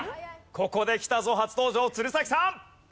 ここで来たぞ初登場鶴崎さん。